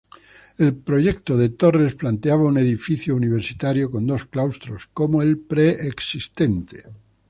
El proyecto de Torres planteaba un edificio universitario con dos claustros, como el preexistente.